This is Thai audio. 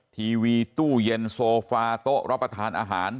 ทีวีตู้เย็นโซฟาโต๊ะรับประทานอาหาร